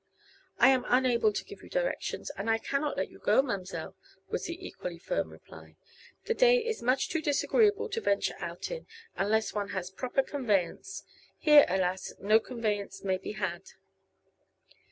"I am unable to give you directions, and I cannot let you go, ma'm'selle," was the equally firm reply. "The day is much too disagreeable to venture out in, unless one has proper conveyance. Here, alas, no conveyance may be had."